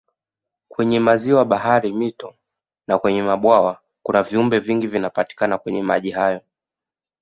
Kwenye maziwa bahari mito na kwenye mabwawa kuna viumbe vingi vinapatikana kwenye maji hayo